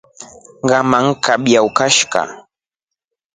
Ngama ngrkukabya nikashika.